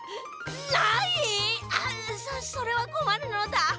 そそれはこまるのだ。